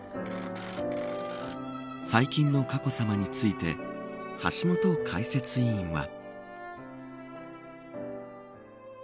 最近の佳子さまについて橋本解説委員は。